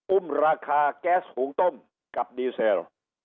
อุ้มราคาแก๊สหุงต้มกับดีเซล